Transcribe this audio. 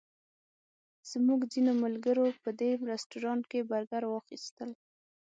زموږ ځینو ملګرو په دې رسټورانټ کې برګر واخیستل.